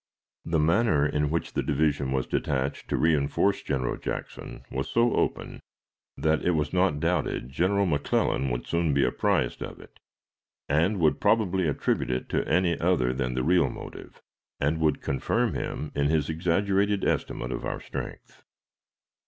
The manner in which the division was detached to reënforce General Jackson was so open that it was not doubted General McClellan would soon be apprised of it, and would probably attribute it to any other than the real motive, and would confirm him in his exaggerated estimate of our strength.